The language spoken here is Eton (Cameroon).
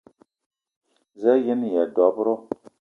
Za a yen-aya dob-ro?